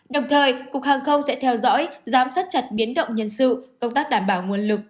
đồng thời cục hàng không sẽ theo dõi giám sát chặt biến động nhân sự công tác đảm bảo nguồn lực